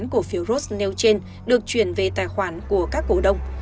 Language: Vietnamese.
tài khoản của phiếu rose nêu trên được chuyển về tài khoản của các cổ đồng